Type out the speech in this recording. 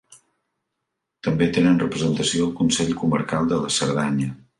També tenen representació al Consell Comarcal de la Cerdanya.